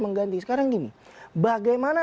mengganti sekarang gini bagaimana